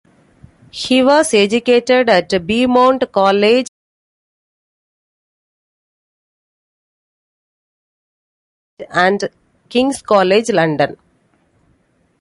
He was educated at Beaumont College and King's College London.